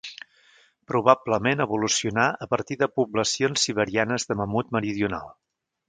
Probablement evolucionà a partir de poblacions siberianes de mamut meridional.